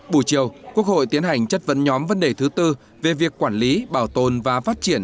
buổi chiều quốc hội tiến hành chất vấn nhóm vấn đề thứ tư về việc quản lý bảo tồn và phát triển